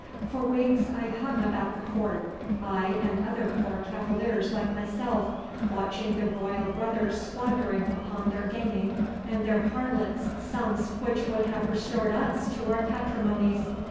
For weeks I hung about the court I and other poor cavaliers like myself, watching the royal brothers squandering upon their gaming and their harlots sums which would have restored us to our patrimonies.